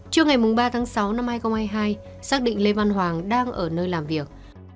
trước ngày ba tháng sáu năm hai nghìn hai mươi hai xác định lê văn hoàng đang ở nơi làm việc